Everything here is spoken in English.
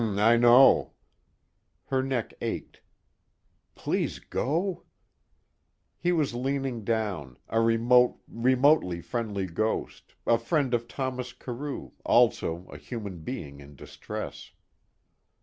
"Mm, I know." Her neck ached. Please go! He was leaning down, a remote, remotely friendly ghost, a friend of Thomas Carew, also a human being in distress.